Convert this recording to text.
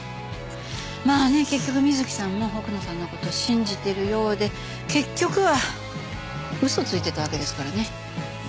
まあね結局美月さんも奥野さんの事信じてるようで結局は嘘ついてたわけですからね。